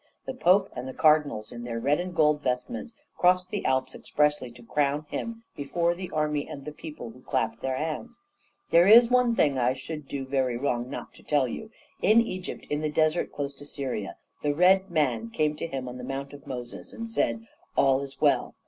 The Pope and the cardinals, in their red and gold vestments, crossed the Alps expressly to crown him before the army and the people, who clapped their hands. There is one thing that I should do very wrong not to tell you. In Egypt, in the desert close to Syria, the RED MAN came to him on the Mount of Moses, and said, 'All is well.'